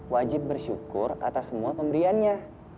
wajib bersyukur atas semua pemberiannya